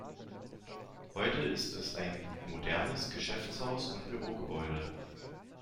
Heute ist es ein modernes Geschäftshaus und Bürogebäude.